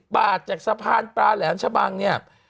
บาทจากสะพานปลาแหลมชะบังเนี่ย